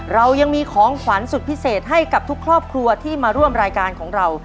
เรายังมีของขวัญสุดพิเศษให้กับทุกครอบครัวที่มาร่วมรายการของเรา